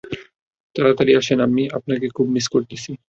তারাতাড়ি আসেন আম্মি, আপনাকে খুব মিস করতেছি।